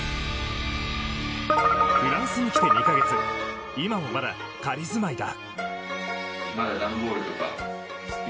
フランスに来て２か月今もまだ仮住まいだ。